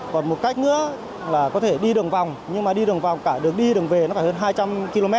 còn một cách nữa là có thể đi đường vòng nhưng mà đi đường vào cả đường đi đường về nó phải hơn hai trăm linh km